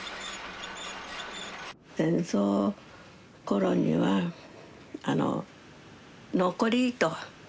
戦争の頃にはあの残り糸。